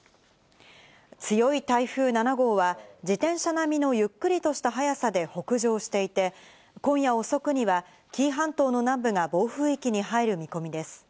強い台風７号は自転車並みのゆっくりとした速さで北上していて、今夜遅くには紀伊半島の南部が暴風域に入る見込みです。